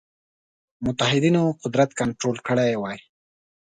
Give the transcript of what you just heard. متحدینو قدرت کنټرول کړی وای.